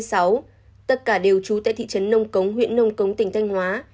tất cả đều trú tại thị trấn nông cống huyện nông cống tỉnh thanh hóa